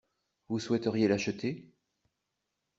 Vous souhaiteriez l’acheter ?